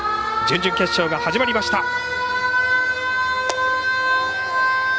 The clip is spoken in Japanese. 準々決勝が始まりました。